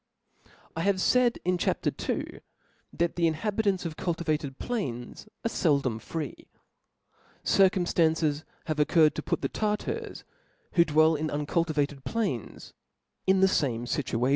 I have faid in Chap. II. that the inhabitants of cultivated plains are feldom free. Circuaiftafices have concurred to put the Tartars who dv7ell in' uncultivated plains, in the fame fituation.